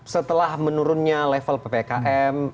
setelah menurunnya level ppkm